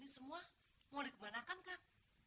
semua mau dikembalikan kan